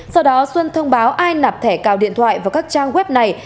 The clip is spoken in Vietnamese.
sau đó xuân thông báo ai nạp thẻ cào điện thoại vào các trang web này